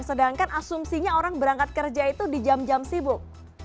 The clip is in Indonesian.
sedangkan asumsinya orang berangkat kerja itu di jam jam sibuk